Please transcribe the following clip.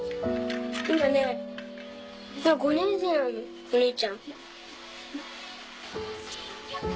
今ね５年生なのお姉ちゃん。